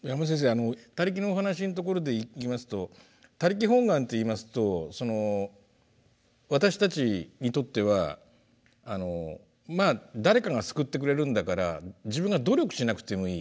あの「他力」のお話のところでいきますと「他力本願」っていいますと私たちにとっては「まあ誰かが救ってくれるんだから自分が努力しなくてもいい。